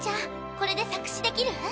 これで作詞できる？